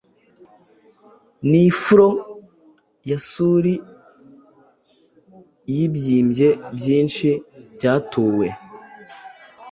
N'ifuro ya suli yibyimbye Byinshi Byatuwe,